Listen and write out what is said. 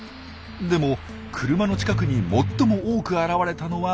でも車の近くに最も多く現れたのはタヌキ。